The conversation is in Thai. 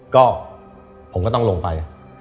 ก็ผมก็ต้องลงไป